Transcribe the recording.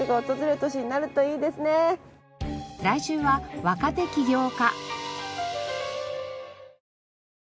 来週は若手起業家。